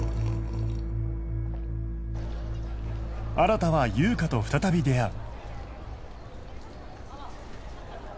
新は優香と再び出会う